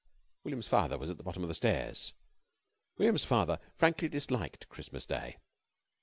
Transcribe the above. William's father was at the bottom of the stairs. William's father frankly disliked Christmas Day.